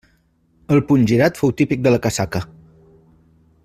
El puny girat fou típic de la casaca.